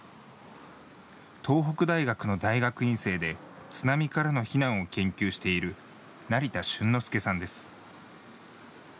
東北大学の大学院生で津波からの避難を研究している成田峻之輔さんです。